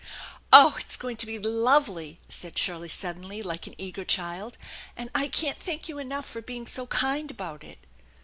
" Oh, it's going to be lovely !" said Shirley suddenly, like an eager child, "and I can't thank you enough for being so kind about it."